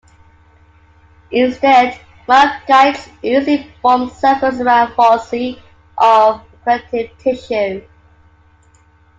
Instead, the myocytes usually form circles around foci of connective tissue.